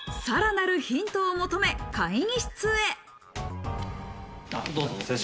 さらなるヒントを求め、会議室へ。